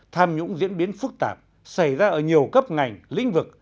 tham nhũng diễn biến phức tạp xảy ra ở nhiều cấp ngành lĩnh vực